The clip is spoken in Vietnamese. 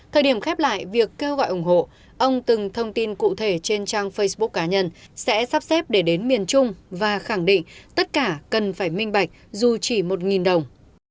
thời điểm khép lại việc kêu gọi ủng hộ ông từng thông tin cụ thể trên trang facebook cá nhân sẽ sắp xếp để đến miền trung và khẳng định tất cả cần phải minh bạch dù chỉ một đồng